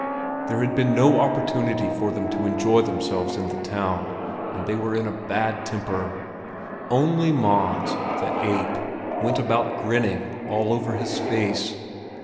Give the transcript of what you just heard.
There had been no opportunity for them to enjoy themselves in the town, and they were in a bad temper. Only Mons, the ape, went about grinning all over his face.